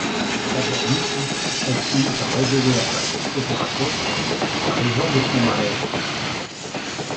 D'abord mutique, elle finit par révéler à sa psychothérapeute la raison de son mal-être.